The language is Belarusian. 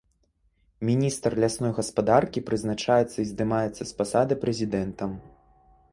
Міністр лясной гаспадаркі прызначаецца і здымаецца з пасады прэзідэнтам.